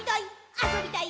あそびたい！